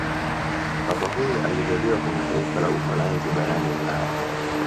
papa huyo alizaliwa kwenye taifa la Uholanzi barani ulaya